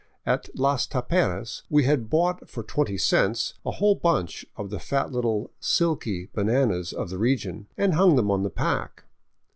At Las Taperas we had bought for twenty cents a whole bunch of the fat little " silky " bananas of the region, and hung them on the pack.